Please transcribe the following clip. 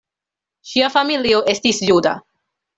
Ŝia familio estis juda.